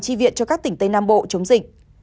chi viện cho các tỉnh tây nam bộ chống dịch